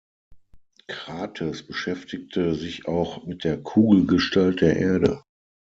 Krates beschäftigte sich auch mit der Kugelgestalt der Erde.